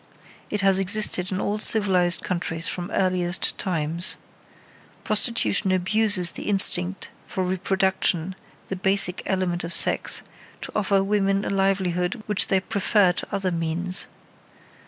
It has existed in all civilized countries from earliest times. Prostitution abuses the instinct for reproduction, the basic element of sex, to offer certain women a livelihood which they prefer to other means.